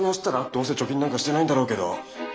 どうせ貯金なんかしてないんだろうけど。